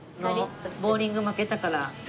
ボウリング負けたから。